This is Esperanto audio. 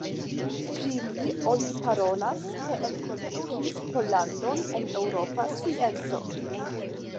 Pri li oni parolas ke enkondukis Pollandon en eŭropa scienco.